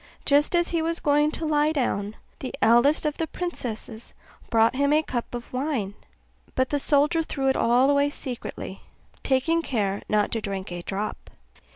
Just as he was going to lie down, the eldest of the princesses brought him a cup of wine; but the soldier threw it all away secretly, taking care not to drink a drop.